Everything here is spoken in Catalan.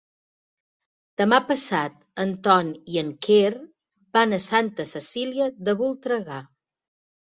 Demà passat en Ton i en Quer van a Santa Cecília de Voltregà.